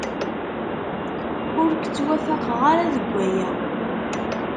Ur k-ttwafaqeɣ ara deg waya.